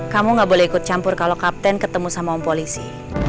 kamu gak boleh ikut campur kalau kapten ketemu sama polisi